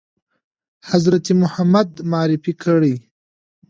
حضرت محمد معرفي کړی ؟